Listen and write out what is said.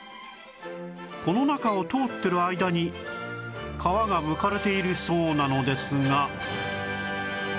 この中を通ってる間に皮がむかれているそうなのですが